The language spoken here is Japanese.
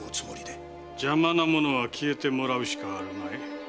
邪魔な者は消えてもらうしかあるまい。